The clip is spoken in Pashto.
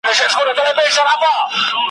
نه حبیب سته نه طبیب سته نه له دې رنځه جوړیږو `